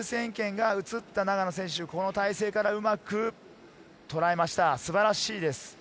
優先権が移った永野選手、この体勢からうまくとらえました、素晴らしいです。